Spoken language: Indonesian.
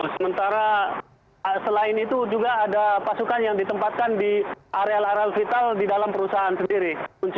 sementara selain itu juga ada pasukan yang ditempatkan di areal area vital di dalam perusahaan sendiri